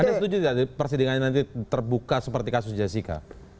anda setuju tidak persidangan nanti terbuka seperti kasus jessica